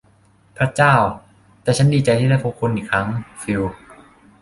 พระเจ้า แต่ฉันดีใจที่พบคุณอีกครั้ง ฟิล